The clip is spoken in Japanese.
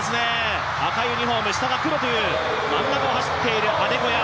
赤いユニフォーム、下が黒という真ん中を走っているアデコヤ。